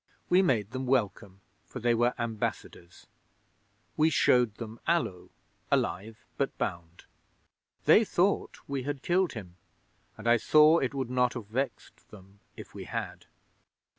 We made them welcome, for they were ambassadors. We showed them Allo, alive but bound. They thought we had killed him, and I saw it would not have vexed them if we had.